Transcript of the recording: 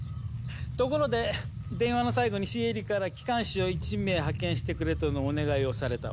ところで電話の最後にシエリから機関士を１名派遣してくれとのお願いをされたわ。